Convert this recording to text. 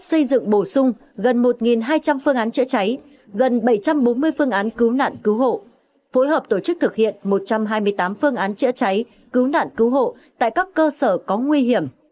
xây dựng bổ sung gần một hai trăm linh phương án chữa cháy gần bảy trăm bốn mươi phương án cứu nạn cứu hộ phối hợp tổ chức thực hiện một trăm hai mươi tám phương án chữa cháy cứu nạn cứu hộ tại các cơ sở có nguy hiểm